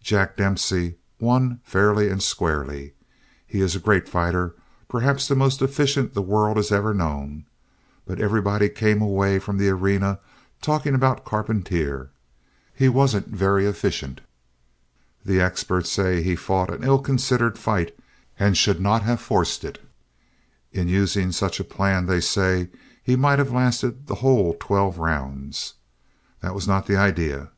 Jack Dempsey won fairly and squarely. He is a great fighter, perhaps the most efficient the world has ever known, but everybody came away from the arena talking about Carpentier. He wasn't every efficient. The experts say he fought an ill considered fight and should not have forced it. In using such a plan, they say, he might have lasted the whole twelve rounds. That was not the idea.